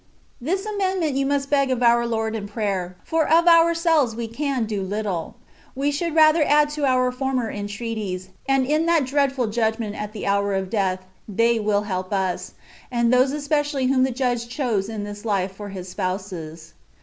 This amendment you must beg of our Lord in prayer, for of ourselves we can do CONCEPTIONS OF DIVINE LOVE. 239 little : we should rather add to our former en treaties^ and in that dreadful judgment at the hour of deaths they will help us^ and those especially whom the judge chose in this life for His spouses.